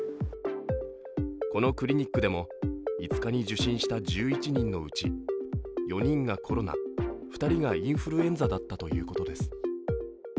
このクリニックでも５日に受診した１１人のうち４人がコロナ、２人がインフルエンザだったということです。